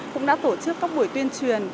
cũng đã tổ chức các buổi tuyên truyền